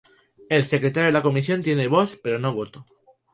El Secretario de la Comisión tiene voz pero no voto.